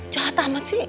jahat amat sih